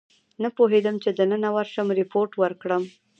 نه پوهېدم چې دننه ورشم ریپورټ ورکړم.